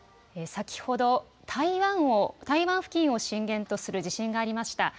先ほど台湾付近を震源とする地震がありました。